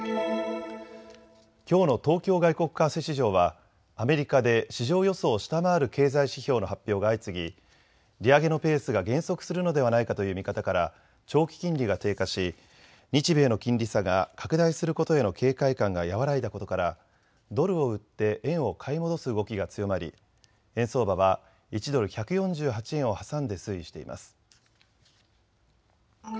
きょうの東京外国為替市場はアメリカで市場予想を下回る経済指標の発表が相次ぎ利上げのペースが減速するのではないかという見方から長期金利が低下し、日米の金利差が拡大することへの警戒感が和らいだことからドルを売って円を買い戻す動きが強まり円相場は１ドル１４８円を挟んで推移しています。